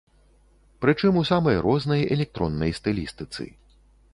Прычым у самой рознай электроннай стылістыцы.